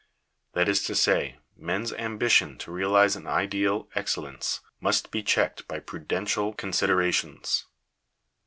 That is to say, men's ambition to realize an ideal excellence must be checked by prudential considerations.